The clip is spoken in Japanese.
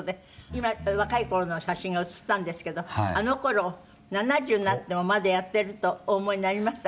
今、若い頃の写真が映ったんですけどあの頃、７０になってもまだやってるとお思いになりました？